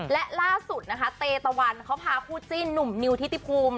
และล่าสุดนะคะเตตะวันเขาพาคู่จิ้นหนุ่มนิวทิติภูมิ